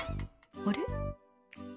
あれ？